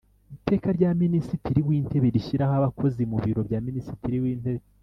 iteka rya minisitri w intebe rishyiraho abakozi mu biro bya minisitiri w intebe